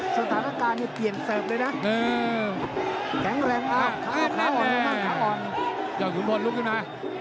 สถานการณ์เนี่ยเปลี่ยนเสิร์ฟเลยนะยอดทุ่มทนลึกอยู่นะ